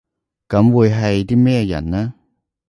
噉會係啲咩人呢？